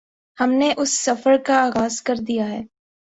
ہم نے اس سفر کا آغاز کردیا ہے